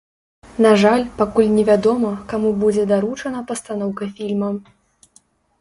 На жаль, пакуль невядома, каму будзе даручана пастаноўка фільма.